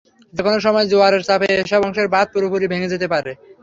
যেকোনো সময় জোয়ারের চাপে এসব অংশের বাঁধ পুরোপুরি ভেঙে যেতে পারে।